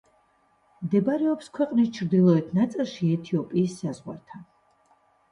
მდებარეობს ქვეყნის ჩრდილოეთ ნაწილში ეთიოპიის საზღვართან.